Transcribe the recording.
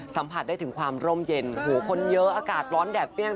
สัมผัสได้ถึงความร่มเย็นโอ้โหคนเยอะอากาศร้อนแดดเปรี้ยง